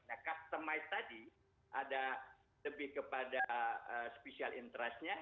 nah customized tadi ada lebih kepada special interest nya